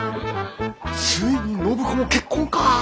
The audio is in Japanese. ついに暢子も結婚かぁ。